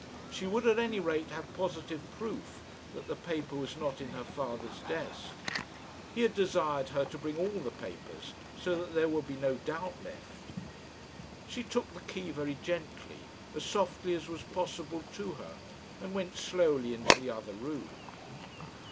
She would at any rate have positive proof that the paper was not in her father's desk. He had desired her to bring all the papers, so that there would be no doubt left. She took the key very gently, as softly as was possible to her, and went slowly into the other room.